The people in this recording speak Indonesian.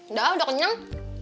udah udah kenyang